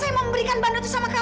ya tuhan di dunia